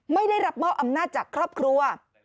ไม่ได้รับมอบอำนาจจากครอบครัว